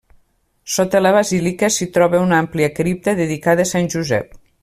Sota la basílica s'hi troba una àmplia cripta dedicada a Sant Josep.